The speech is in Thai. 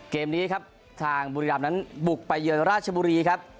เกมนี้ครับทางบุรีรำนั้นบุกไปเยือนราชบุรีครับ